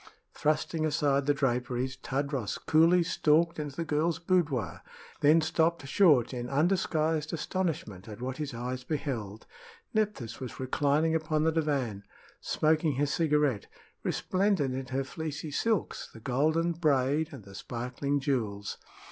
Thrusting aside the draperies, Tadros coolly stalked into the girl's boudoir and then stopped short in undisguised astonishment at what his eyes beheld. Nephthys was reclining upon the divan, smoking her cigarette, resplendent in her fleecy silks, the golden braid and the sparkling jewels.